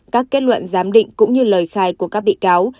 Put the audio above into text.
các kết luận giám định cũng như lời khai của các bị cáo